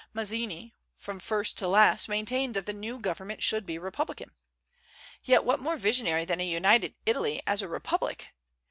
Mazzini, from first to last, maintained that the new government should be republican. Yet what more visionary than a united Italy as a republic?